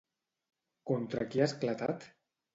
Contra qui ha esclatat?